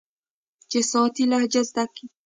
چې سواتي لهجه زده کي.